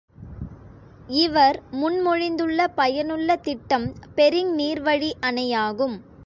இவர் முன் மொழிந்துள்ள பயனுள்ள திட்டம் பெரிங் நீர்வழி அணையாகும்.